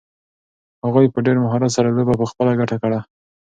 هغوی په ډېر مهارت سره لوبه په خپله ګټه کړه.